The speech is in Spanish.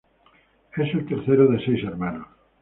Es el tercero de seis hermanos.